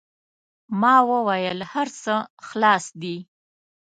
ما و ویل: هر څه خلاص دي.